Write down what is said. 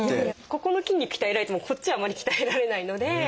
ここの筋肉鍛えられてもこっちはあんまり鍛えられないので。